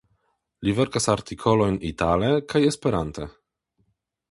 Li verkas artikolojn itale kaj Esperante.